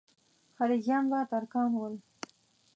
خلجیان به ترکان ول.